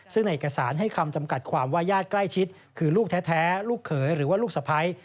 ซึ่งในเอกสารให้คำจำกัดความว่าญาติใกล้ชิดคือลูกแท้ลูกเขยหรือว่าลูกสะพ้าย